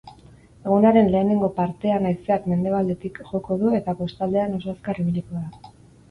Egunaren lehenengo partean haizeak mendebaldetik joko du eta kostaldean oso zakar ibiliko da.